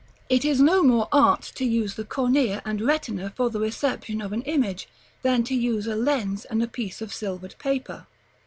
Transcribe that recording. It is no more art to use the cornea and retina for the reception of an image, than to use a lens and a piece of silvered paper.